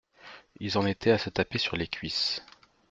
ils en étaient à se taper sur les cuisses.